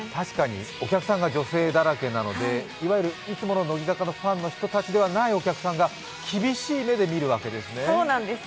お客さんが女性だらけなのでいつもの乃木坂のファンの人とは違うお客さんが厳しい目で見るわけですね。